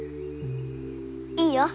いいよ。